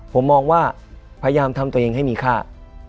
ผมมองว่าพยายามทำตัวเองให้มีค่า